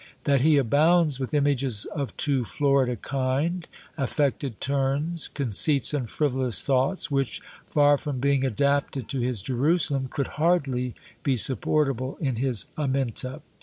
That he abounds with images of too florid a kind; affected turns; conceits and frivolous thoughts; which, far from being adapted to his Jerusalem, could hardly be supportable in his 'Aminta.'